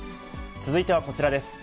続いてはこちらです。